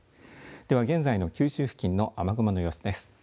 では現在の九州付近の雨雲の様子です。